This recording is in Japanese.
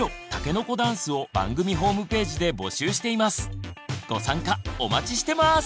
番組ではご参加お待ちしてます！